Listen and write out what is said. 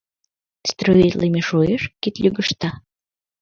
Строитлыме шуэш, кид лӱгышта...